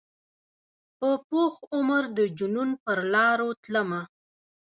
په پوخ عمر د جنون پرلاروتلمه